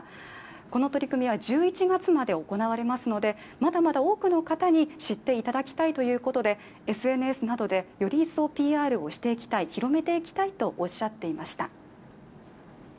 この取り組みは１１月まで行われますのでまだまだ多くの方に知っていただきたいということでＳＮＳなどでより一層ＰＲしていきたい、広めていきたいとおっしゃっていました。